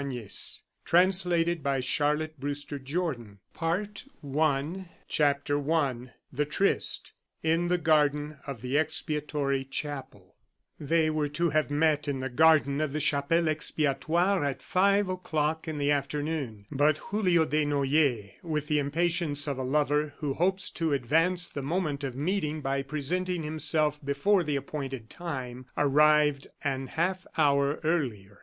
"NO ONE WILL KILL HIM" V. THE BURIAL FIELDS PART I CHAPTER I THE TRYST (In the Garden of the Chapelle Expiatoire) They were to have met in the garden of the Chapelle Expiatoire at five o'clock in the afternoon, but Julio Desnoyers with the impatience of a lover who hopes to advance the moment of meeting by presenting himself before the appointed time, arrived an half hour earlier.